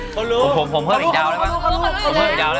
คนรู้คนรู้คนรู้คนรู้